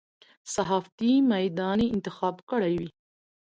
صحافتي میدان یې انتخاب کړی وي.